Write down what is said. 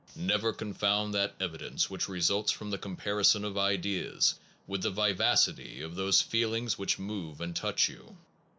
Never confound that evidence which results from the comparison of ideas with the vivacity of those feelings which move and touch you.